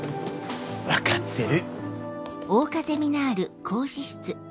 分かってる。